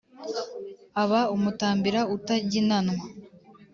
Aba umutambira utaginanwa.